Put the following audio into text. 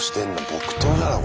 木刀じゃない？